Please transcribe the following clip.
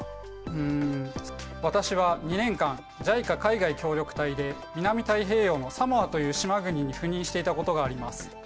私は２年間ＪＩＣＡ海外協力隊で南太平洋のサモアという島国に赴任していたことがあります。